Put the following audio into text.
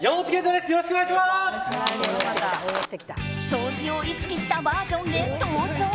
掃除を意識したバージョンで登場。